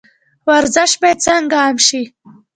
ورزش باید څنګه عام شي؟